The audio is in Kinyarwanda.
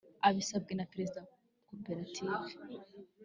Abisabwe na Perezida wa Koperative